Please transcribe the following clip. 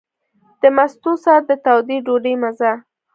د مستو سره د تودې ډوډۍ مزه.